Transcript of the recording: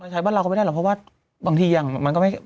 ใช้บ้านเราก็ไม่ได้หรอกเพราะว่าบางทีอย่างมันก็ไม่